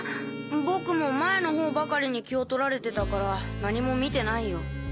僕も前の方ばかりに気を取られてたから何も見てないよ。